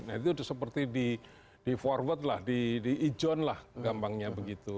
nah itu seperti di forward lah di ijon lah gampangnya begitu